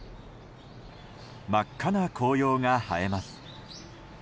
真っ赤な紅葉が映えます。